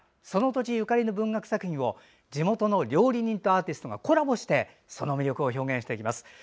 その土地ゆかりの文学作品を地元の料理人とアーティストがコラボしてその魅力を表現していきます。